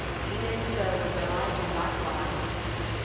even so will I do likewise.